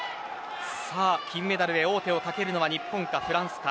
金メダルへ王手をかけるのは日本かフランスか。